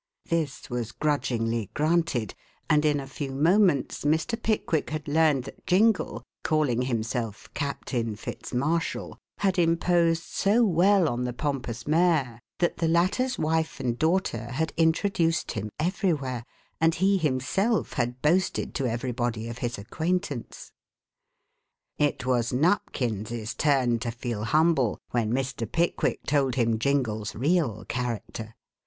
This was grudgingly granted and in a few moments Mr. Pickwick had learned that Jingle, calling himself "Captain Fitz Marshall," had imposed so well on the pompous mayor that the latter's wife and daughter had introduced him everywhere and he himself had boasted to everybody of his acquaintance. It was Nupkins's turn to feel humble when Mr. Pickwick told him Jingle's real character.